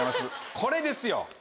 これですよ！